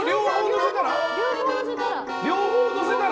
両方のせたら？